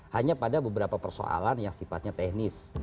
hanya pada beberapa persoalan yang sifatnya teknis